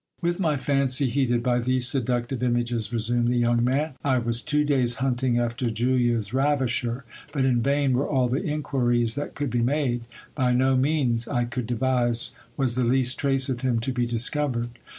With my fancy heated by these seductive images, resumed the young man, I was two days hunting after Julia's ravisher : but in vain were all the inquiries that could be made ; by no means I could devise was the least trace of him to be discovered.